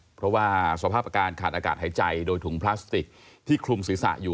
เพราะว่าสภาพอากาศขาดอากาศหายใจโดยถุงพลาสติกที่คลุมศีรษะอยู่